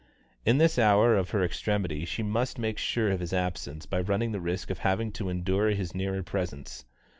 In this hour of her extremity she must make sure of his absence by running the risk of having to endure his nearer presence.